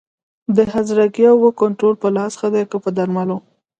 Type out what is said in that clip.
د هرزه ګیاوو کنټرول په لاس ښه دی که په درملو؟